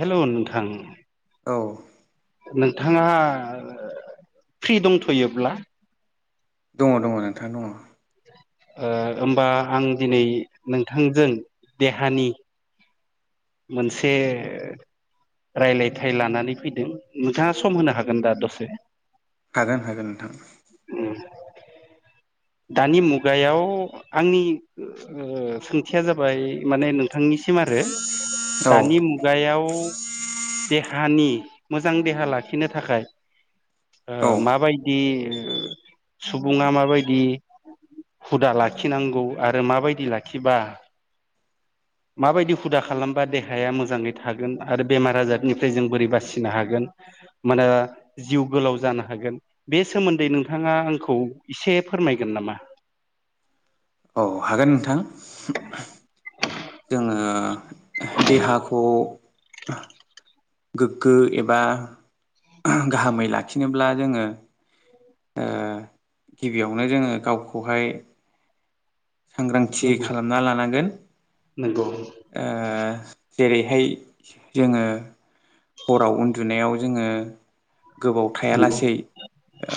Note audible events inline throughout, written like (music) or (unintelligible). हेल' नोंथां औ नोंथांङा ओ फ्रि दंथ'योब्ला दंङ दंङ नोंथां दंङ। ओ होमबा आं दिनै नोंथांजों देहानि मोनसे रायलायथाय लानानै फैदों नोंथांङा सम होनो हागोन दा दसे? हागोन हागोन नोंथां। दानि मुगायाव आंनि ओ सोंथिया जाबाय माने नों। थांनिसिम आरो औ दानि मुगायाव। देहानि मोजां देहा लाखिनो थाखाय ओ औ माबाय। दि सुबुङा माबायदि। हुदा लाखिनांगौ आरो माबायदि लाखिबा। माबायदि हुदा खालामबा देहाया मोजाङै थागोन आरो बेमार आजारनिफ्राय जों बोरै बासिनो हागोन। मोना जिउ गोलाव जानो हागोन बे सोमोन्दै नोंथाङा आंखौ एसे फोरमाय। नामा? औ हागोन नोंथां जोङो। देहाखौ। गोग्गो एबा गाहामै लाखिनोब्ला जोङो। ओ गिबियावनो जोङो गावखौहाय। सांग्रांथि नंगौ खालामना लानांगोन नंगौ ओ। जेरैहाय जोङो हराव उन्दुनायाव जोङो। गोबाव नंगौ थायालासे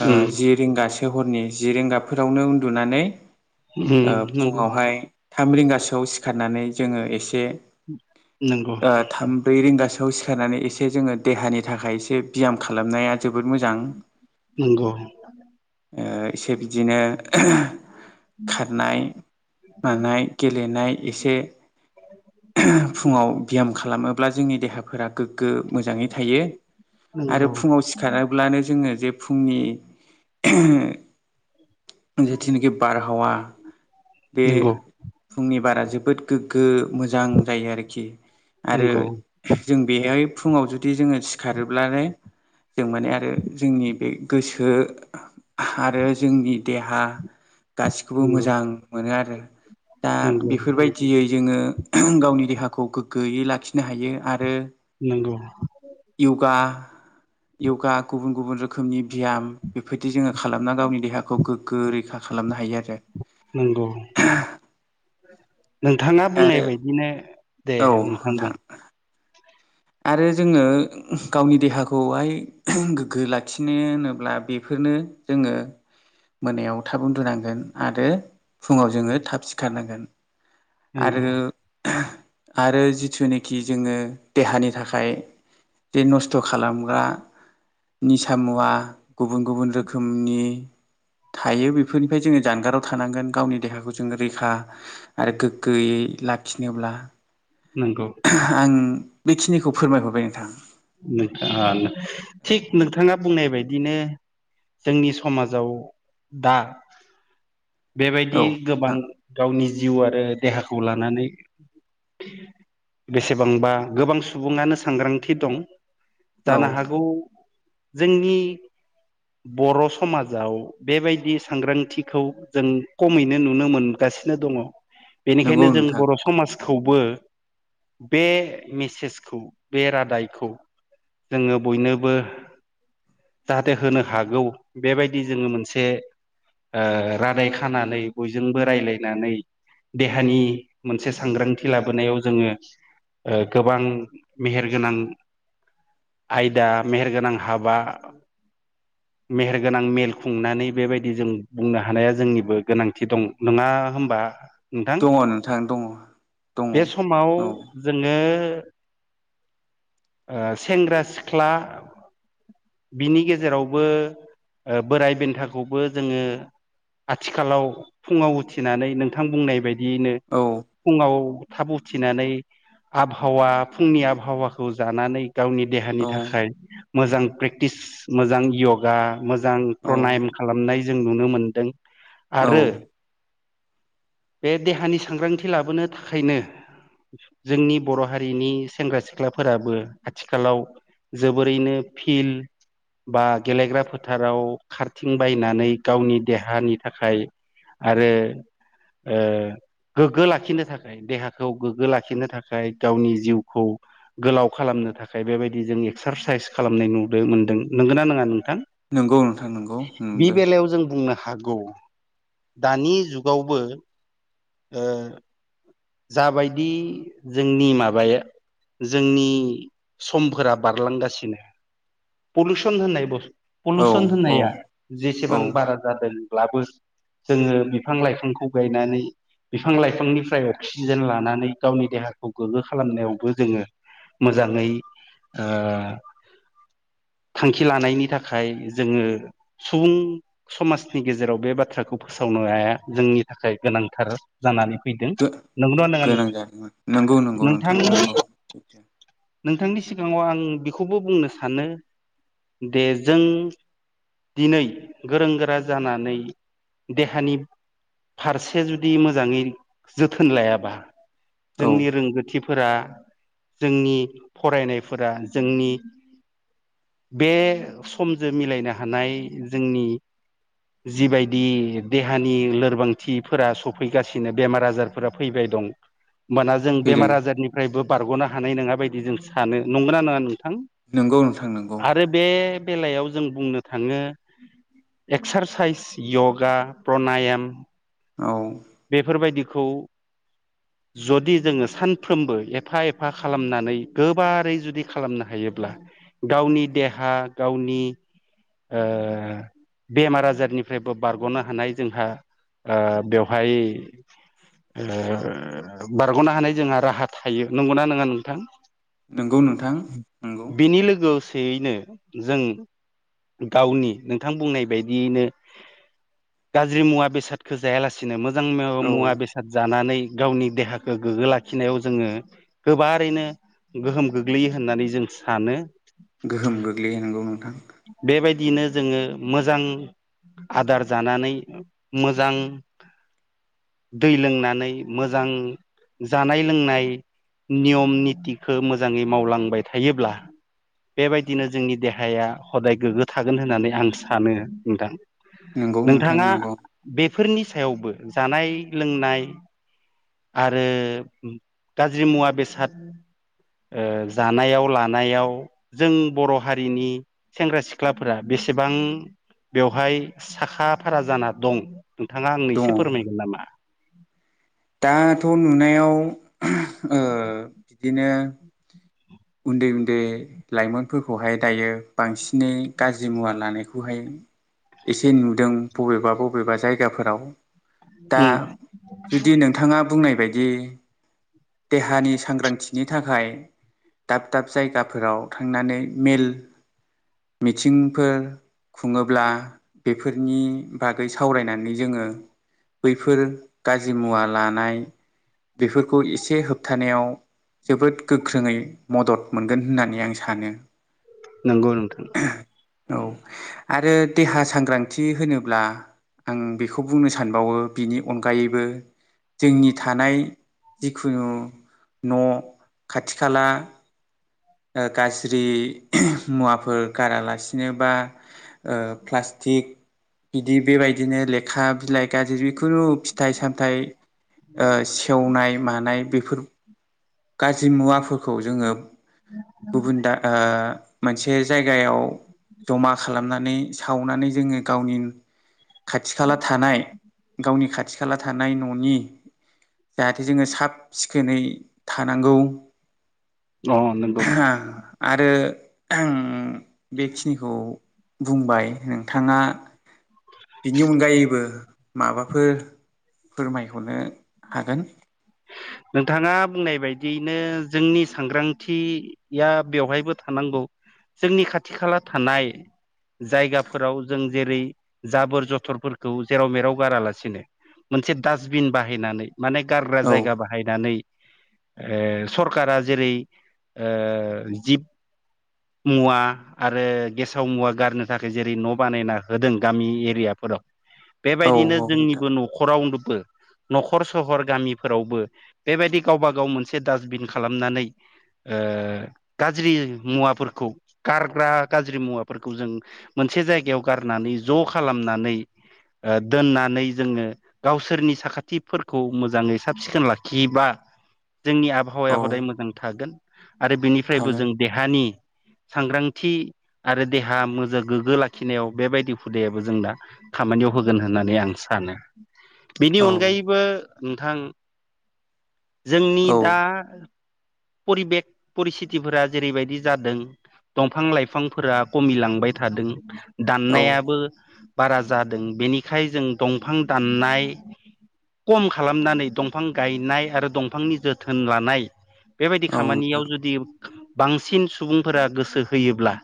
ओ उम जि रिंगा। सो हरनि जि रिगाफोरावनो उन्दुनानै उम ओ नंगौ फुङावहाय। थाम रिंगासोआव सिखारनानै जोङो एसे नंगौ ओ थाम ब्रै रिंगा। खौ सिखारनानै एसे जोङो देहानि थाखाय एसे बियाम खालामनाया। जोबोद मोजां नंगौ ओ एसे बिदिनो खारनाय मानाय गेलेनाय एसे। (unintelligible) फुङाव ब्याम खालामोब्ला जोंनि देहाफोरा गोग। मोजाङै थायो आरो नंगौ फुङाव सिखाराब्लानो जोङो जे फुंनि जिथुनाखि बारहावा नंगौ बे फुंनि बारा जोबोद गोग्गो मोजां जायो आरोखि आरो नंगौ जों बेहाय फुङाव जुदि जोङो सिखारोब्लानो जों माने आरो जोंनि बे गोसो आरो जोंनि देहा गासिखौबो मोजां मोनो आरो दा नंगौ बेफोरबायदियै जोङो गावनि देहाखौ ग्गो गोयै लाखिनो हायो आरो नंगौ यगा यगा गुबुन गुबुन रोखोमनि बियाम बेफोरदि जोङो खालामना गावनि देहाखौ गोग्गो रैखा खालामनो हायो आ नंगौ नोंथाङा बुंनाय आरो बायदिनो दे नोंथां बुं आरो जोङो गावनि देहाखौहाय गोग्गो लाखिनो होनोब्ला बेफोर बेनो जोङो मोनायाव थाब उन्दुनांगोन आरो फुङाव जोङो थाब सिखारनांगोन आरो नंगौ आरो जिथुनेखि जोङो देहानि थाखाय बे नस्थ' खालामग्रा निसा मुवा गुबुन गुबुन रोखोमनि थायो बेफोरनिफ्राय जोङो जानगाराव थानांगोन गावनि देहाखौ जोंङो रैखा आरो गोग्गोयै लाखिनोब्ला नंगौ आं बेखिनिखौ फोरमायहरबाय नोंथां नोंथां थिक नोंथाङा बुंनाय बायदिनो जोंनि समाजाव दा बेबायदि औ गोबां नोंथां गावनि जिउ आरो देहाखौ लानानै बेसेबांबा गोबां सुबुङानो सांग्रांथि दं औ (inaudible) जोंनि बर' समाजाव बेबायदि सांग्रांथिखौ जों खमैनो नुनो मोनगासिनो दङ नंगौ बेनिखायनो जों नोंथां बर' नंगौ समाजखौबो बे मेसेजखौ बे रादायखौ जोङो बयनोबो जाहाथे होनो हागौ बेबायदि जोङो मोनसे ओ रादाय खानानै बयजोंबो रायज्लायनानै देहानि मोनसे सांग्रांथि लाबोनायाव जोङो गोबां मेहेर गोनां आयदा मेहेरगोनां हाबा मेहेरगोनां मेल खुंनानै बेबायदि जों बुंनो हा हानाया जोंनिबो गोनांथि दं नङा होनबा? नोंथां दङ नोंथां दङ दङ बे समाव औ जोङो ओ सेंग्रा सिख्ला बिनि गेजेरावबो बोराय बेन्थाखौबो जोङो आथिखालाव फुङाव उथिनानै नोंथां बुंनाय बायदियैनो औ फुंङाव थाब उथिनानै आबहावा फुंनि आबहावाखौ जानानै गावनि औ देहानि थाखाय मोजां प्रेक्टिस मोजां योगा मोजां औ प्रनाम खालामनाय जों नुनो मोनदों। आरो औ बे देहानि सांग्रांथि लाबोनो थाखायनो जोंनि बर' हारिनि सेंग्रा सिख्लाफोराबो आथिखालाव जोबोरैनो फिल बा गेलेग्रा फोथाराव खारथिं बायनानै गावनि देहानि थाखाय आरो ओ गोग्गो लाखिनो थाखाय देहाखौ गोग्गो लाखिनो थाखाय गावनि जिउखौ गोलाव खालामनो थाखाय बेबायदि जों एक्सारसाइस खालामनाय नुदो मोनदों नोंगोना नोंङा थां नंगौ नोंथां नंगौ बे नुदों बेलायाव जों बुंनो हाग गौ दानि जुगावबो ओ जाबायदि जोंनि माबाया जोंनि समफोरा बारलांगासिनो पलिउसन होननाय बस औ पलुसन औ होनाया औ जेसेबां बारा जादोंब्लाबो जोङो बिफां लाइफांखौ गायनानै बिफां लाइफांनिफ्राय अक्सिजेन लानानै गावनि देहाखौ गोग्गो खालामनायावबो जोङो मोजाङै ओ थांखि लानायनि थाखाय जोङो सुबुं समाजनि गेजेराव बे बाथ्राखौ फोसाव (unintelligible) जोंनि थाखाय गोनांथार जानानै फैदों। नंगोना नङा गोनां नोंथां? जादोंमोन नंगौ नंगौ नोंथां नोंथांनि नंगौ नोंथांनि सिगाङाव आं बेखौबो बुंनो सानो दे जों दिनै गोरों गोरा जानानै देहानि फारसे जुदि मोजाङै जोथोन लायाबा औ जोंनि रोंगोथि फोरा जोंनि फरायनायफोरा जोंनि बे समजों मिलायनो हानाय जोंनि जिबायदि देहानि लोरबांथिफोरा सफैगासिनो बेमार आजार फोरा फैबाय दं ओमबाना जों फैदों बेमार आजारनिफ्रायबो बारग'नो हा हानाय नङा बायदि जों सानो नंगौना नङा नोंथां नंगौ नोंथां नंगौ आरो बे बेलायाव जों बुंनो थाङो एक्सारसाइस य'गा प्रनायाम औ बेफोरबायदिखौ जुदि जोङो सानफ्रोमबो एफा एफा खालामनानै गोबारै जुदि खालामनो हायो। जेब्ला गावनि देहा गावनि ओ बेमार आजारनिफ्रायबो बारग'नो हानाय जोंहा ओ बेव फाय (unintelligible) बारग'नो हानाय जोंहा राहा थायो नंगौना नङा नोंथां? नंगौ नोंथां नंगौ (inaudible) बेनि लोगोआव स सेयैनो जों गावनि नोंथां बुंनाय बायदियैनो गाज्रि मुवा बेसादखौ जायालासिनो मोजां मो औ मुवा बेसाद जानानै गावनि देहाखौ गोग्गो लाखिनायाव जोङो गोबारैनो गोहोम गोग्लैयो होननानै जों सानो। गोहोम गोग्लैयो नोंगौ नोंथां। दिनो जोङो मोजां आदार जानानै मोजां दै लोंनानै मोजां जानाय लोंनाय नियम नितिखो मोजाङै मावलांबाय थायोब्ला बेबायदिनो जोंनि देहाया हदाय गोग्गो थागोन होननानै आं सानो नोंथां। नंगौ नोंथां नोंथाङा नंगौ बे सायावबो जानाय लोंनाय आरो गाज्रि मुवा बेसाद ओ जानायाव लानायाव जों बर' हारिनि सेंग्रा सिख्लाफोरा बे एसेबां बेवहाय साखा फारा जाना दं थाङा आंनो दङ एसे फोरमायगोन नामा? दाथ' नुनायाव (unintelligible) ओ दिनो उन्दै उन्दै लाइमोनफोरखौहाय दायो बांसिनै गाज्रि मुवा लानायखौहाय एसे नुदों बबेबा बबेबा जायगाफोराव। दा उम जुदि नोंथाङा बुंनाय बायदि देहानि सांग्रांथिनि थाखाय दाब दाब जायगाफोराव थांनानै मेल मिथिंफोर खुङोब्ला बेफोरनि बागै सावरायनानै जोङो बैफोर गाज्रि मुवा लानाय बेफोरखौ एसे होबथानायाव जोबोद गोख्रोङै मदद मोनगोन होननानै आं सानो। नंगौ नोंथां औ आरो देहा सांग्रांथि होनोब्ला आं बेखौ बुंनो सानबावो बिनि अनगायैबो जोंनि थानाय जिखुनु न' खाथि खाला ओ गाज्रि मुवाफोर गारालासिनो बा ओ प्लास्टिक बिदि बेबायदिनो लेखा बिलाइ गाज्रि (unintelligible) थाइ सामथाइ ओ सेवनाय मानाय बेफोर गाज्रि मुवाफोरखौ जोङो गुबुन दा ओ मोनसे जायगायाव जमा खालामनानै सावनानै जोङो गावनि खाथि खाला थानाय गावनि खाथि खाला थानाय न'नि जाहाथे जोङो साब सिखोनै थानांगौ अ नंगौ (unintelligible) आरो (unintelligible) बेखिनिखौ बुंबाय नोंथाङा बिनि अनगायैबो माबाफोर फोरमायहरनो हागोन। नोंथाङा बुंनाय बायदियैनो जोंनि सांग्रांथिया बेवहायबो थानांगौ। जोंनि खाथि खाला थानाय जायगाफोराव जों जेरै जाबोर जथरफोरखौ जेराव मेराव गारालासिनो मोनसे डास्टबिन बाहायनानै माने गारग्रा औ जायगा बाहाय नानै ओ सरकारा जेरै ओ जिब मुवा आरो गेसाव मुवा गारनो थाखाय जेरै न' बानायना होदों गामि एरियाफोराव औ औ बेबायदिनो नोंथां जोंनिबो न'खरावनोबो न'खर सहर गामिफोरावबो बेबायदि गावबा गाव मोनसे डास्टबिन खालामनानै ओ गाज्रि मुवाफोरखौ गारग्रा गाज्रि मुवाफोरखौ जों मोन से जायगायाव गारनानै ज' खालामनानै ओ दोननानै जोङो गावसोरनि साखाथिफोरखौ मोजाङै साब सिखोन ला खिबा जोंनि औ आबहावाया हदाय मोजां थागोन। आरो बिनिफ्रायबो थागोन जों देहानि सांग्रांथि आरो देहा मोजां गोग्गो लाखिनायाव बेबायदि हुदायाबो जोंना खामानि होगोन होननानै आं सानो बेनि औ अनगायैबो नोंथां जोंनि औ दा परिबेक परिस्थिथिफोरा जेरैबायदि जादों दंफां लाइफांफोरा खमिलांबाय थादों औ दाननायाबो बारा जादों बेनिखाय जों दंफां दाननाय खम खालामनानै दंफां गायनाय आरो दंफांनि जोथोन लानाय बेबायदि नोंथां खामानियाव जुदि बांसिन सुबुंफोरा गोसो होयोब्ला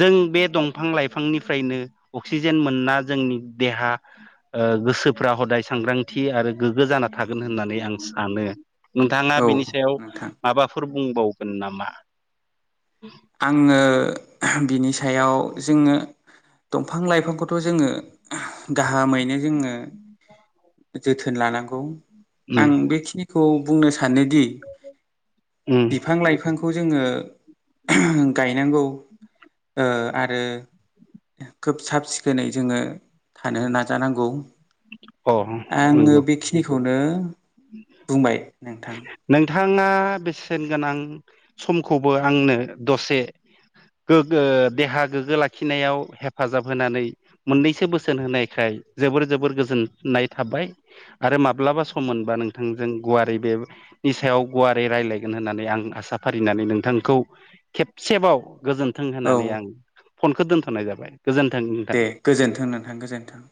जों बे दंफां लाइफांनिफ्रायनो अक्सिजेन मोनना जोंनि देहा ओ गोसोफ्रा हदाय सांग्रांथि आरो गोग्गो जाना थागोन होननानै आं सानो। नोंथाङा औ बिनि सायाव नोंथां माबाफोर बुंबावगोन नामा? आङो बिनि सायाव जोङो बिफां लाइफांखौथ' जोङो गाहामैनो जोङो जोथोन लानांगौ उम आं बेखिनिखौ बुंनो सा सानोदि उम बिफां लाइफांखौ जोङो गायनांगौ ओ आरो खोब साब सिखोनै जोङो थानो नाजानांगौ। अ आङो नंगौ बेखिनिखौनो बुंबाय नोंथां। थाङा बेसेन गोनां समखौबो आंनो दसे गोग ओ देहा गोग्गो लाखिनायाव हेफाजाब होनानै मोननैसो बोसोन होनायखाय जोबोर जोबोर गोजोननाय थाबाय आरो माब्लाबा सम मोन ओ नोंथांजों गुवारै बे नि सायाव गुवारै रायलायगोन होननानै आं आसाफारिनानै आं नोंथांखौ खेबसेबाव गोजोन्थों औ होननानै आं फनखो दोनथ'नाय जाबाय। गोजोन्थों नोंथां। दे गोजोन्थों नोंथां गोजोन्थों।